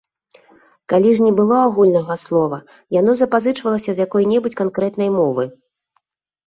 Калі ж не было агульнага слова, яно запазычвалася з якой-небудзь канкрэтнай мовы.